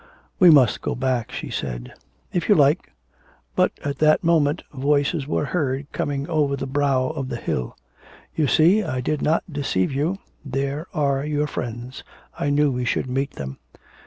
'We must go back,' she said. 'If you like.' But, at that moment, voices were heard coming over the brow of the hill. 'You see I did not deceive you. There are your friends, I knew we should meet them.